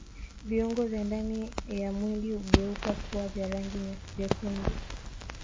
Viungo vya ndani ya mwili hugeuka kuwa vya rangi vyekundu